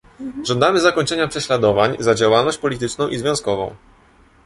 Żądamy zakończenia prześladowań za działalność polityczną i związkową